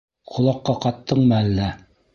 Ҡолаҡҡа ҡаттыңмы әллә?